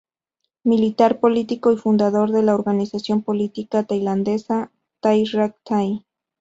Militar, político y cofundador de la organización política tailandesa Thai Rak Thai.